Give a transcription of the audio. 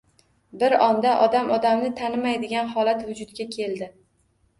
Bir onda odam-odamni tanimaydigan holat vujudga keldi.